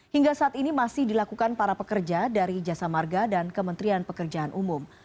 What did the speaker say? hingga saat ini masih dilakukan para pekerja dari jasa marga dan kementerian pekerjaan umum